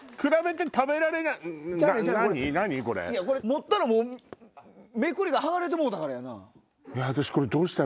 持ったらめくりが剥がれてもうたから。